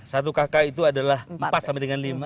satu kakak itu adalah empat sampai dengan lima